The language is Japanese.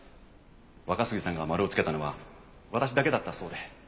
若杉さんがマルをつけたのは私だけだったそうで。